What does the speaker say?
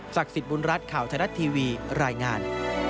ศักดิ์สิทธิ์บุญรัฐข่าวทะลัดทีวีรายงาน